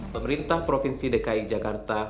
pemerintah provinsi dki jakarta